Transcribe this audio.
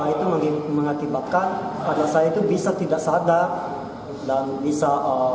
itu mengakibatkan anak saya itu bisa tidak sadar dan bisa